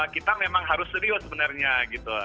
kita memang harus serius sebenarnya gitu